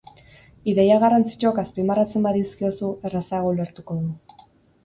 Ideia garrantzitsuak azpimarratzen badizkiozu, errazago ulertuko du.